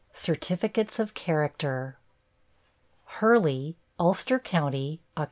CERTIFICATES OF CHARACTER. HURLEY, ULSTER Co., Oct.